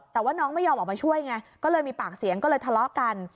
แต่ว่าน้องไม่ยอมออกมาช่วยไงก็เลยมีปากเสียงก็เลยทะเลาะกัน